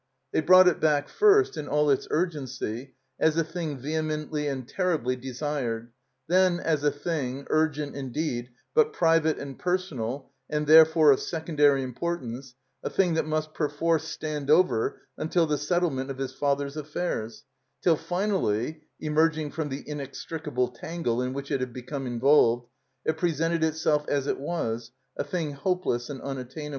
They brought it back, first, in all its urgency, as a thing vehemently and terribly desired, then as a thing, urgent indeed, but private and personal and, therefore, of secondary impor tance, a thing that must perforce stand over until the settlement of his father's affairs, till finally (emerging from the inextricable tangle in which it had become involved) it presented itself as it was, a thing hopeless and unattainable.